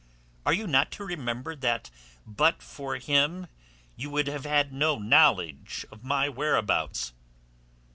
Are you not to remember that but for him you would have had no knowledge of my whereabouts?"